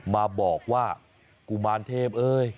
มาบอกว่ากุมารเทพเอ้ย